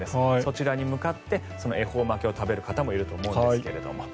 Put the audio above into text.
そちらに向かって恵方巻きを食べる方もいると思うんですけども。